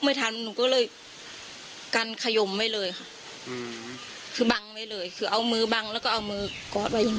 ไว้เลยค่ะอืมคือบังไว้เลยคือเอามือบังแล้วก็เอามือกอดไว้อย่าง